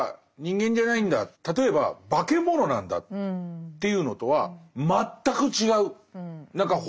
例えば化け物なんだっていうのとは全く違う。